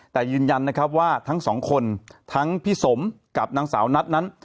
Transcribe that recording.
แต่ยืนยันนะครับว่าทั้งสองคนทั้งพี่สมกับนางสาวนัทนั้น